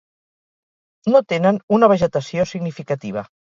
No tenen una vegetació significativa.